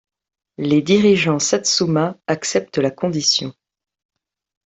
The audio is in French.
Les dirigeants Satsuma acceptent la condition.